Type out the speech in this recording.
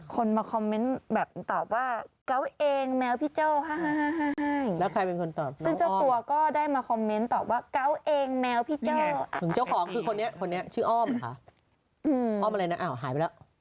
คนมาคอมเมนต์ตอบว่าเก้าเองแมวพี่เจ้าห้าย